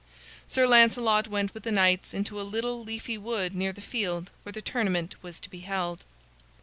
Sir Lancelot went with the knights into a little leafy wood near the field where the tournament was to be held.